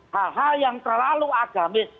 hal hal yang terlalu agamis